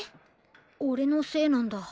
オレのせいなんだ。